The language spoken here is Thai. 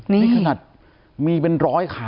นี่ขนาดมีเป็น๑๐๐ขา